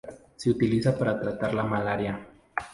Se utiliza para tratar la malaria.